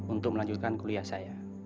untuk melanjutkan kuliah saya